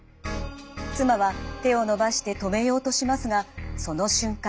妻は手を伸ばして止めようとしますがその瞬間。